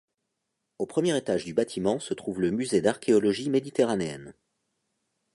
Au premier étage du bâtiment se trouve le Musée d'archéologie méditerranéenne.